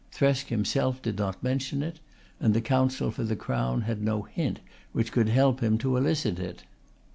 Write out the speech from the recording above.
Thresk himself did not mention it and the counsel for the Crown had no hint which could help him to elicit it.